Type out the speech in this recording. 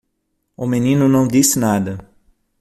O menino não disse nada.